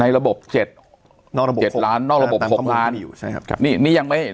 ในระบบเจ็ดนอกระบบเจ็ดล้านนอกระบบหกล้านใช่ครับนี่นี่ยังไม่